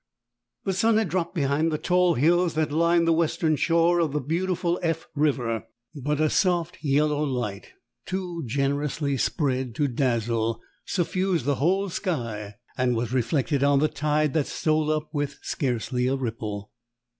The sun had dropped behind the tall hills that line the western shore of the beautiful F River; but a soft yellow light, too generously spread to dazzle, suffused the whole sky, and was reflected on the tide that stole up with scarcely a ripple.